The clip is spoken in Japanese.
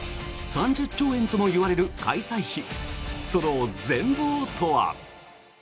３０兆円ともいわれる開催費その全ぼうとは。